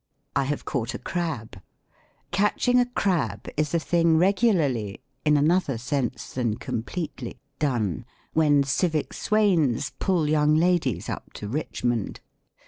"I have caught a crab." Catching a crab is a thing regularly (in another sense than completely) done, when civic swains pull young ladies up to Richmond.